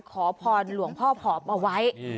ขอพรหลวงพ่อผอมเอาไว้